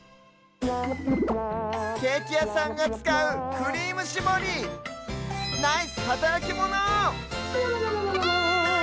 ケーキやさんがつかうクリームしぼりナイスはたらきモノ！